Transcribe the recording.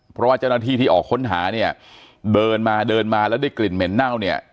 เพราะว่าเจ้าหน้าที่ที่ออกค้นหาเนี่ยเดินมาเดินมาแล้วได้กลิ่นเหม็นเน่าเนี่ย